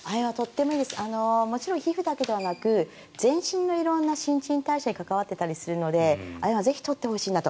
もちろん皮膚だけではなく全身の色んな新陳代謝に関わっているので亜鉛はぜひ取ってほしいなと。